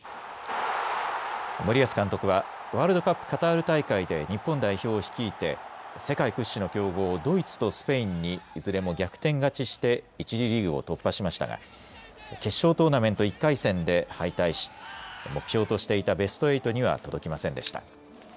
森保監督はワールドカップカタール大会で日本代表を率いて世界屈指の強豪、ドイツとスペインにいずれも逆転勝ちして１次リーグを突破しましたが決勝トーナメント１回戦で敗退し目標としていたベスト８には届きませんでした。